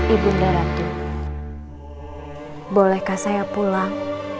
ibu mda ratu bolehkah saya pulang